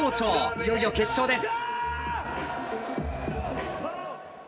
いよいよ決勝です。